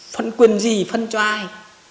phân quyền gì phân cho ai